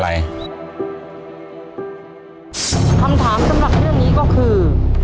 คำถามสำหรับเรื่องนี้ก็คือ